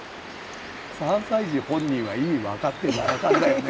３歳児本人は意味分かってなかったよね